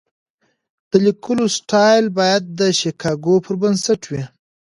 د لیکلو سټایل باید د شیکاګو پر بنسټ وي.